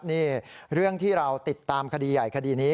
นี่เรื่องที่เราติดตามคดีใหญ่คดีนี้